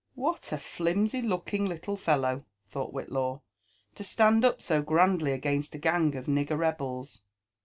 " What a flimsy looking little fellow," thought Whitlaw, " to stand up so grandly against a gang of nigger rebels!"